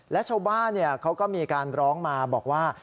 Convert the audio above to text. และชาวบ้านเขาก็มีการร้องมาบอกว่า